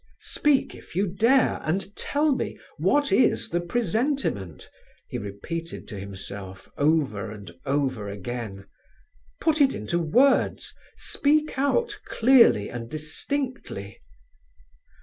"Speak if you dare, and tell me, what is the presentiment?" he repeated to himself, over and over again. "Put it into words, speak out clearly and distinctly.